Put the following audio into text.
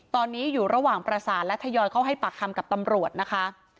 ตอนนี้อยู่ระหว่างประสานและทยอยเข้าให้ปากคำกับตำรวจนะคะ